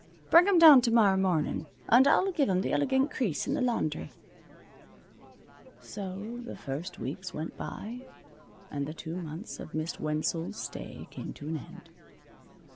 Bring 'em down tomorrow mornin' and I'll give 'em th' elegant crease in the laundry." So the first weeks went by, and the two months of Miss Wenzel's stay came to an end.